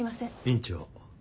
院長